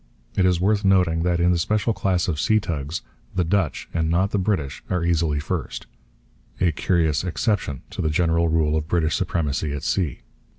It is worth noting that in the special class of sea tugs the Dutch, and not the British, are easily first: a curious exception to the general rule of British supremacy at sea.